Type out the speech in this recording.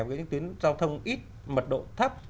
với những tuyến giao thông ít mật độ thấp